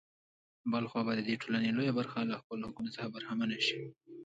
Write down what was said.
بـله خـوا بـه د دې ټـولـنې لـويه بـرخـه لـه خپـلـو حـقـونـو څـخـه بـرخـمـنـه شـي.